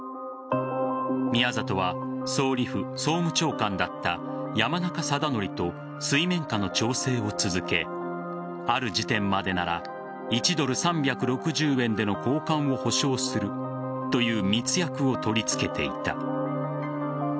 宮里は総理府総務長官だった山中貞則と水面下の調整を続けある時点までなら１ドル３６０円での交換を保証するという密約を取り付けていた。